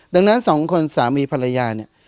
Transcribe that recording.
ดังนั้นสองคนสามีภรรยาเนี่ย